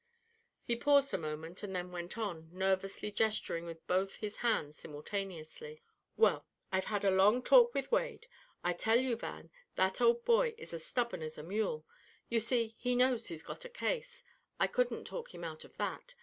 He paused a moment, and then went on, nervously gesturing with both his hands simultaneously. "Well, I've had a long talk with Wade. I tell you, Van, that old boy is as stubborn as a mule. You see, he knows he's got a case. I couldn't talk him out of that.